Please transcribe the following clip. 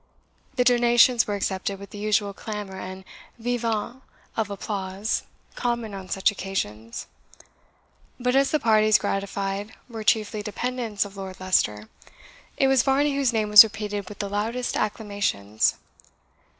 The donations were accepted with the usual clamour and VIVATS of applause common on such occasions; but as the parties gratified were chiefly dependants of Lord Leicester, it was Varney whose name was repeated with the loudest acclamations.